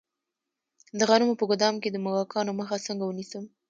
د غنمو په ګدام کې د موږکانو مخه څنګه ونیسم؟